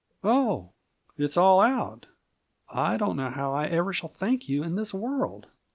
"Oh, it's all out! I don't know how I ever shall thank you in this world!